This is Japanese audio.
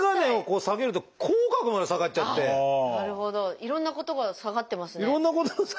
いろんなことが下がってますね。